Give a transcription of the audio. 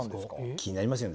気になりますよね？